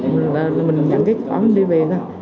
mình nhận cái cỏ mình đi về thôi